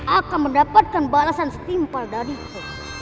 akan mendapatkan balasan setimpal dariku